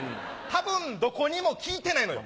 多分どこにも効いてないのよ。